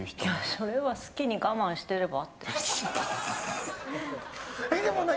それは好きに我慢してれば？